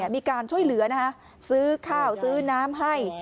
มีการช่วยเหลือซื้อข้าวซื้อน้ำให้